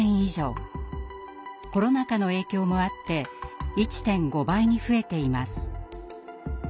コロナ禍の影響もあって１．５倍に増えています。